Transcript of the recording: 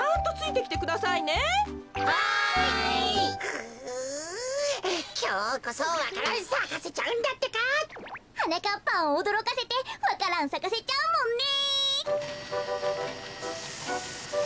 くきょうこそわか蘭さかせちゃうんだってか！はなかっぱんをおどろかせてわか蘭さかせちゃうもんね。